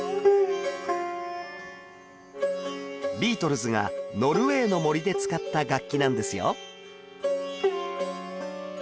ビートルズが『ノルウェーの森』で使った楽器なんですよ